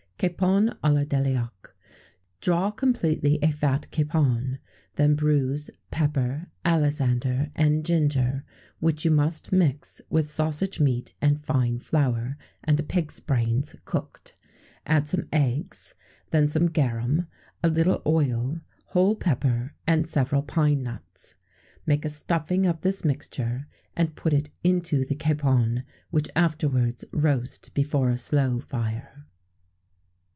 Capon à la Déliaque. Draw completely a fat capon; then bruise pepper, alisander, and ginger, which you must mix with sausage meat and fine flour, and a pig's brains cooked; add some eggs, then some garum, a little oil, whole pepper, and several pine nuts. Make a stuffing of this mixture, and put it into the capon, which afterwards roast before a slow fire.